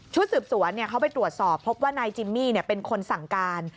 สืบสวนเขาไปตรวจสอบพบว่านายจิมมี่เป็นคนสั่งการ